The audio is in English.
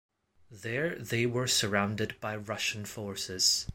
There they were surrounded by Russian forces.